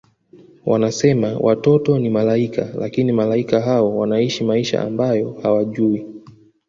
Wanasema watoto ni Malaika lakini Malaika hao wanaishi maisha ambayo hawajui